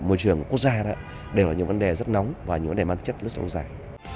và môi trường quốc gia đó đều là những vấn đề rất nóng và những vấn đề mát chất rất nóng dài